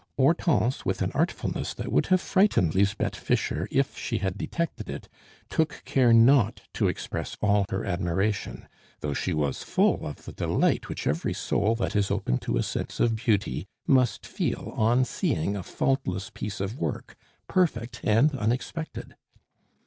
Hortense, with an artfulness that would have frightened Lisbeth Fischer if she had detected it, took care not to express all her admiration, though she was full of the delight which every soul that is open to a sense of beauty must feel on seeing a faultless piece of work perfect and unexpected.